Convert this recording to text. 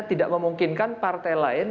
tidak memungkinkan partai lain